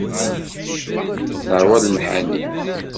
Neṛwa lemḥani.